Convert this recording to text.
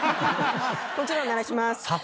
「もちろん鳴らします」